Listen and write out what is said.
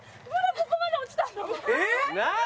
ここまで落ちたの。